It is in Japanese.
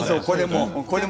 これも。